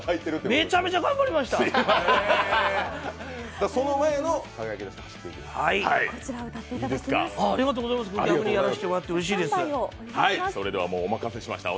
めちゃめちゃ頑張りました。